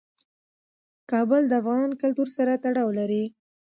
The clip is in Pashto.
کابل د افغان کلتور سره تړاو لري.